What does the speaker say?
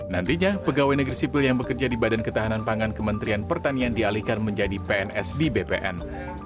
nantinya pegawai negeri sipil yang bekerja di badan ketahanan pangan kementerian pertanian dialihkan menjadi pns di bpn